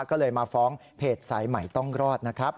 ก็เลยมาฟ้องเพจสายใหม่ต้องรอดนะครับ